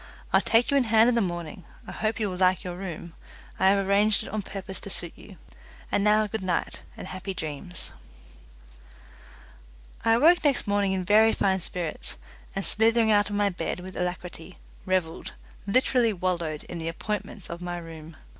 I'll take you in hand in the morning. I hope you will like your room; I have arranged it on purpose to suit you. And now good night, and happy dreams." I awoke next morning in very fine spirits, and slithering out of my bed with alacrity, revelled literally wallowed in the appointments of my room.